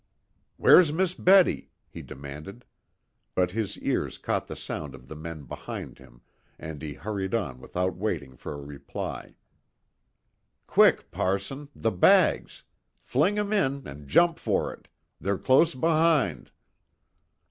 "Where's Miss Betty?" he demanded. But his ears caught the sound of the men behind him, and he hurried on without waiting for a reply. "Quick, parson! The bags! fling 'em in, and jump for it! They're close behind!"